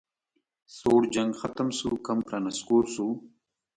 سوړ جنګ ختم شو کمپ رانسکور شو